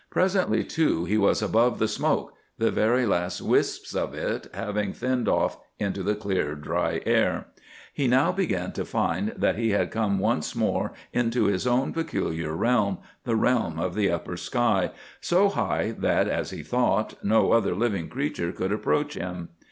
Presently, too, he was above the smoke, the very last wisps of it having thinned off into the clear, dry air. He now began to find that he had come once more into his own peculiar realm, the realm of the upper sky, so high that, as he thought, no other living creature could approach him.